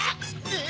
え